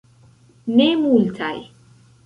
Ne multaj.